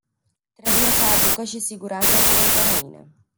Trebuie să aducă și siguranța zilei de mâine.